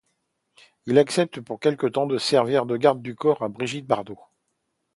Il accepte pour quelque temps de servir de garde du corps à Brigitte Bardot.